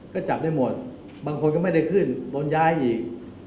ก็จับได้หมดบางคนก็ไม่ได้ขึ้นโดนย้ายอีก